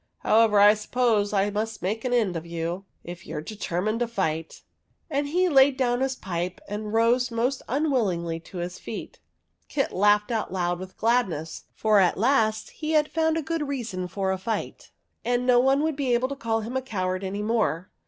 However, I suppose I must make an end of you, if you are deter mined to fight." And he laid down his pipe and rose most unwillingly to his feet. Kit laughed out loud with gladness, for at last he had found a good reason for a fight, and no one would be able to call him a coward any more.